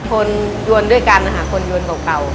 คนยวนด้วยกันนะคะคนยวนเก่า